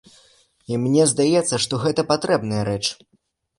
І мне здаецца, што гэта патрэбная рэч.